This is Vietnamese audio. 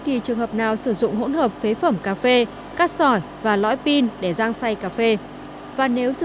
kỳ trường hợp nào sử dụng hỗn hợp phế phẩm cà phê cát sỏi và lõi pin để rang xay cà phê và nếu sử